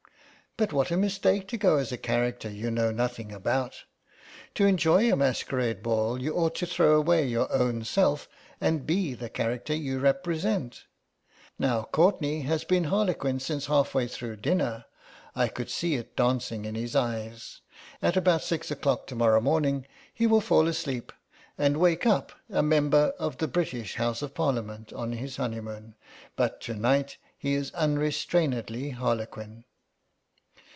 "But what a mistake to go as a character you know nothing about. To enjoy a masquerade ball you ought to throw away your own self and be the character you represent. Now Courtenay has been Harlequin since half way through dinner; I could see it dancing in his eyes. At about six o'clock to morrow morning he will fall asleep and wake up a member of the British House of Parliament on his honeymoon, but to night he is unrestrainedly Harlequin."